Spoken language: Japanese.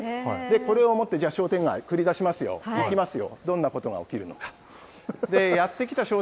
これを持って、じゃあ、商店街くり出しますよ、行きますよ。